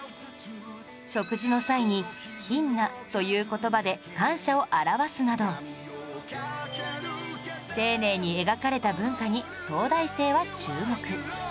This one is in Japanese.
食事の際に「ヒンナ」という言葉で感謝を表すなど丁寧に描かれた文化に東大生は注目